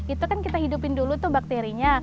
itu kan kita hidupin dulu tuh bakterinya